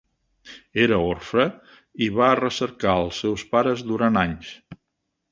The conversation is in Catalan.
Era orfe i va recercar els seus pares durant anys.